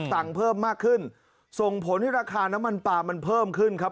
สั่งเพิ่มมากขึ้นส่งผลให้ราคาน้ำมันปลามันเพิ่มขึ้นครับ